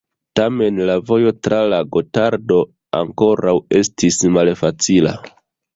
Tamen la vojo tra la Gotardo ankoraŭ estis malfacila.